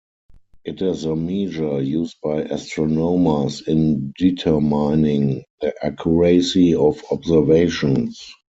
It is a measure used by astronomers in determining the accuracy of observations.